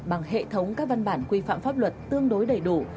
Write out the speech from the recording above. bằng hệ thống các văn bản quy phạm pháp luật tương đối đầy đủ